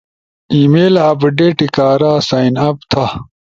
ای میل اپڈیٹ کارا سائن اپ تھا